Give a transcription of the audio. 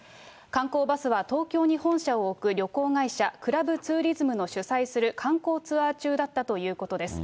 観光バスは東京に本社を置く旅行会社、クラブツーリズムの主催する観光ツアー中だったということです。